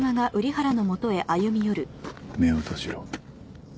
目を閉じろ。